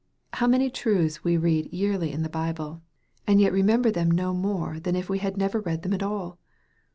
How many truths we read yearly m the Bible, and yet remember them no more than if we had never read them at all